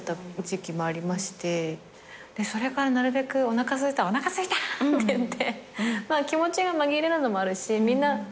それからなるべくおなかすいたらおなかすいた！って言って気持ちが紛れるのもあるしみんな何か。